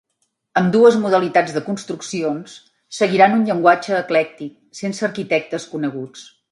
Ambdues modalitats de construccions seguiran un llenguatge eclèctic, sense arquitectes coneguts.